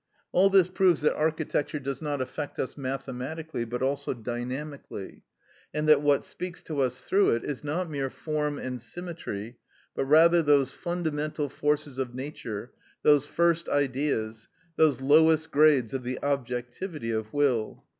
All this proves that architecture does not affect us mathematically, but also dynamically, and that what speaks to us through it, is not mere form and symmetry, but rather those fundamental forces of nature, those first Ideas, those lowest grades of the objectivity of will.